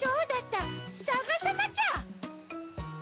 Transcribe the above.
さがさなきゃ！